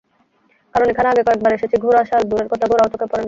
কারণ এখানে আগে কয়েকবার এসেছি, ঘোড়াশাল দূরের কথা, ঘোড়াও চোখে পড়েনি।